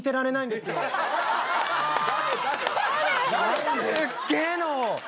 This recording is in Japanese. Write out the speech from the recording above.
すっげえの！